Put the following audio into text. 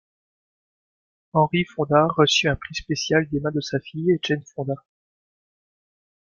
Henry Fonda reçu un prix spécial des mains de sa fille Jane Fonda.